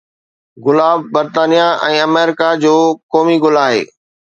گلاب برطانيه ۽ آمريڪا جو قومي گل آهي